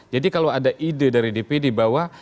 jadi kalau ada ide dari dpd bahwa